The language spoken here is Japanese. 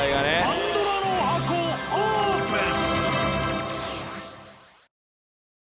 パンドラの箱オープン！